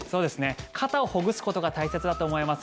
肩をほぐすことが大切だと思います。